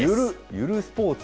ゆるスポーツ？